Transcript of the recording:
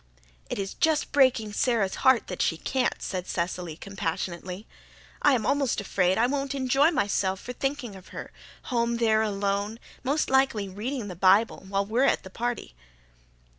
"It is just breaking Sara's heart that she can't," said Cecily compassionately. "I'm almost afraid I won't enjoy myself for thinking of her, home there alone, most likely reading the Bible, while we're at the party."